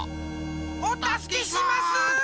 おたすけします！